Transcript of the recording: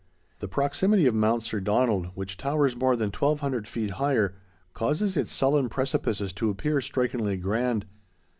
The proximity of Mount Sir Donald, which towers more than 1200 feet higher, causes its sullen precipices to appear strikingly grand.